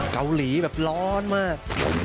เกาหลีแบบร้อนมาก